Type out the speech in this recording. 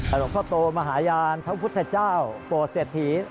หลวงพ่อโตมหาญาณเขาพุทธเจ้าโปเสถี